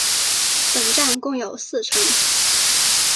本站共有四层。